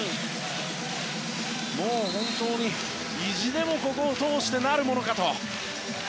もう本当に、意地でもここを通してなるものかと。